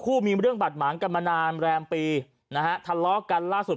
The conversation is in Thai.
มีเรื่องบาดหมางกันมานานแรมปีนะฮะทะเลาะกันล่าสุด